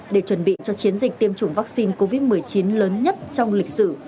để chuẩn bị cho chiến dịch tiêm chủng vaccine covid một mươi chín lớn nhất trong lịch sử